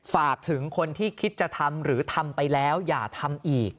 ฝากถึงคนที่คิดจะทำหรือทำไปแล้วอย่าทำอีก